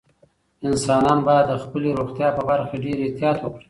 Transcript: انسانان باید د خپلې روغتیا په برخه کې ډېر احتیاط وکړي.